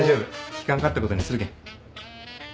聞かんかったことにするけん。